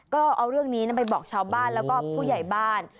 ก็เอาเรื่องนี้ไปบอกชาวบ้านแล้วก็ผู้ใหญ่บ้าน